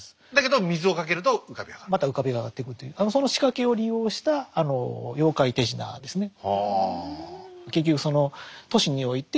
だけどまた浮かび上がってくるというその仕掛けを利用した妖怪手品ですね。